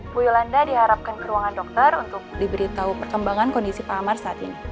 bu yolanda diharapkan ke ruangan dokter untuk diberitahu perkembangan kondisi pak amar saat ini